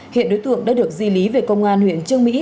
hiện đối tượng đã được di lý về công an huyện trương mỹ